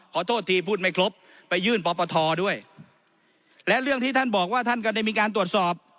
ขอโทษทีพูดไม่ครบไปยื่นปปทด้วยและเรื่องที่ท่านบอกว่าท่านก็ได้มีการตรวจสอบ